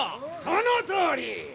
そのとおり！